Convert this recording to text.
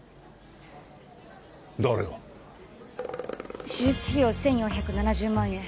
誰が？手術費用１４７０万円